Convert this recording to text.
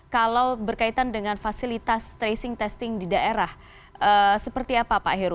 kalau berkaitan dengan fasilitas tracing testing di daerah seperti apa pak heru